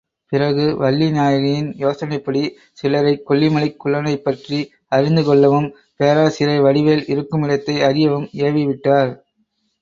பிறகு, வள்ளி நாயகியின் யோசனைப்படி சிலரைக் கொல்லிமலைக் குள்ளனைப்பற்றி அறிந்துகொள்ளவும் பேராசிரியர் வடிவேல் இருக்குமிடத்தை அறியவும் ஏவி விட்டார்.